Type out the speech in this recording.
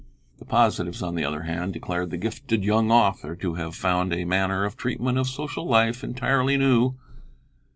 The positives, on the other hand, declared the gifted young author to have found a manner of treatment of social life entirely new.